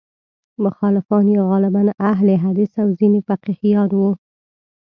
مخالفان یې غالباً اهل حدیث او ځینې فقیهان وو.